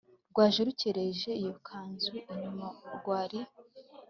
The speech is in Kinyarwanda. rwaje rugerekeje iyo kanzu inyuma rwari